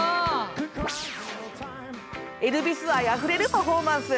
エルビス愛あふれるパフォーマンス。